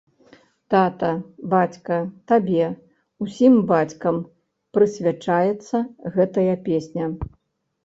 Тата, бацька, табе, усім бацькам, прысвячаецца гэтая песня.